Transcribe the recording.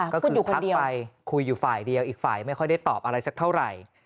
ก็คือทักไปคุยอยู่ฝ่ายเดียวอีกฝ่ายไม่ค่อยได้ตอบอะไรสักเท่าไหร่